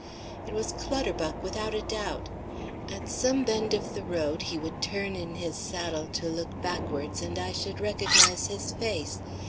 It was Clutterbuck without a doubt. At some bend of the road he would turn in his saddle to look backwards, and I should recognise his face.